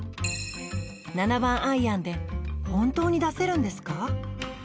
７番アイアンで本当に出せるんですか？